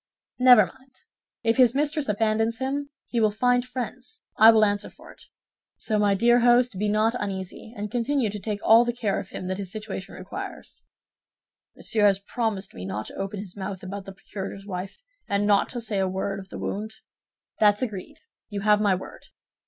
"Never mind; if his mistress abandons him, he will find friends, I will answer for it. So, my dear host, be not uneasy, and continue to take all the care of him that his situation requires." "Monsieur has promised me not to open his mouth about the procurator's wife, and not to say a word of the wound?" "That's agreed; you have my word."